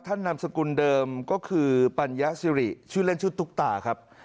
นามสกุลเดิมก็คือปัญญาสิริชื่อเล่นชื่อตุ๊กตาครับ